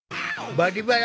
「バリバラ」。